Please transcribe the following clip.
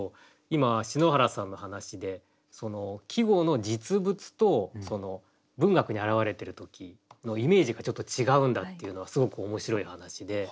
今篠原さんの話で季語の実物と文学に表れてる時のイメージがちょっと違うんだっていうのはすごく面白い話で。